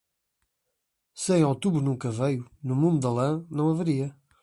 Se em outubro nunca veio, no mundo da lã não haveria.